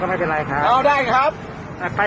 สุดท้ายสุดท้ายสุดท้ายสุดท้าย